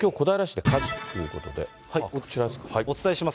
お伝えします。